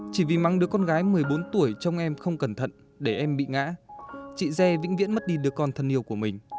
chỉ vì mắng đứa con gái một mươi bốn tuổi trong em không cẩn thận để em bị ngã chị dê vĩnh viễn mất đi đứa con thân yêu của mình